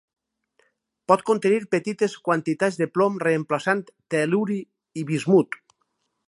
Pot contenir petites quantitats de plom reemplaçant tel·luri i bismut.